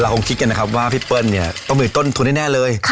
คงคิดกันนะครับว่าพี่เปิ้ลเนี่ยต้องมีต้นทุนแน่เลย